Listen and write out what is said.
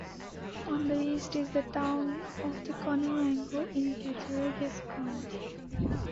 On the east is the town of Conewango in Cattaraugus County.